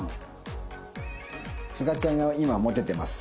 すがちゃんが今モテてます。